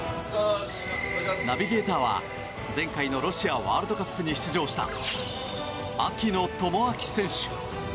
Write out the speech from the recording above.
ナビゲーターは前回のロシアワールドカップに出場した槙野智章選手。